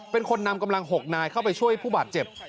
เป็นคนนำกำลัง๖นายเข้าไปช่วยผู้บาดเจ็บ